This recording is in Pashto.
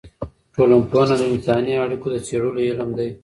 ټولنپوهنه د انساني اړیکو د څېړلو علم دی.